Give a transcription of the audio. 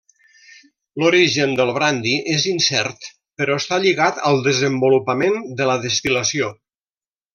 L'origen del brandi és incert, però està lligat al desenvolupament de la destil·lació.